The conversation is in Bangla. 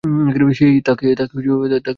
হেই, তাকে নিয়ে আয়।